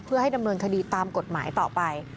เพื่อให้ดำเนินคดีตามกฎหมายต่อไป